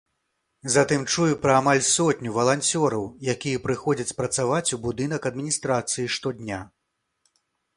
Затым чую пра амаль сотню валанцёраў, якія прыходзяць працаваць у будынак адміністрацыі штодня.